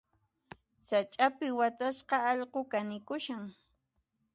Sach'api watasqa allqu kanikushan.